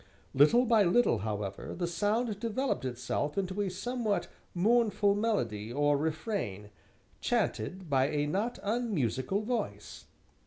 Little by little, however, the sound developed itself into a somewhat mournful melody or refrain, chanted by a not unmusical voice.